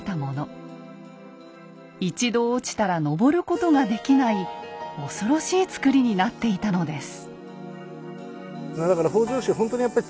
一度落ちたら登ることができない恐ろしい造りになっていたのです。